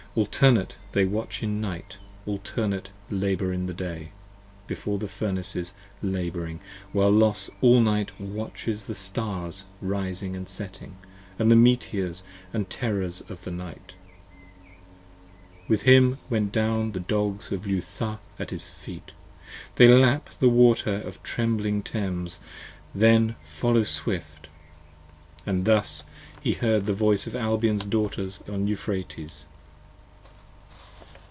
Alternate they watch in night; alternate labour in day, 80 Before the Furnaces labouring, while Los all night watches The stars rising & setting, & the meteors & terrors of night. With him went down the Dogs of Leutha at his feet, They lap the water of the trembling Thames, then follow swift. And thus he heard the voice of Albion's daughters on Euphrates.